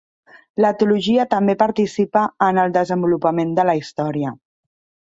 La teologia també participa en el desenvolupament de la història.